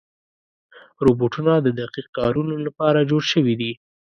روبوټونه د دقیق کارونو لپاره جوړ شوي دي.